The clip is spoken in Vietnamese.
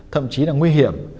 thậm chí là nguy hiểm